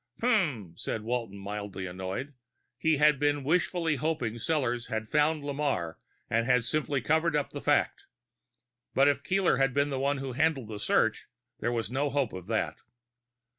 "Hmm." Walton was mildly annoyed; he had been wishfully hoping Sellors had found Lamarre and had simply covered up the fact. But if Keeler had been the one who handled the search, there was no hope of that.